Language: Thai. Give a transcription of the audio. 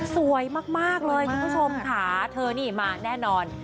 สวยมากเลยคุณผู้ชมค่ะเธอนี่มาแน่นอน